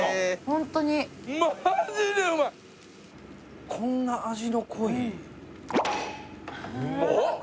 ホントにマジでうまいこんな味の濃いうん